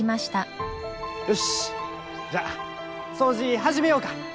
よしじゃあ掃除始めようか！